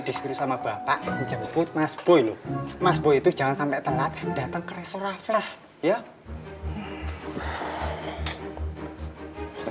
disuruh sama bapak menjemput mas boy mas boy itu jangan sampai telat dan datang ke restoran plus ya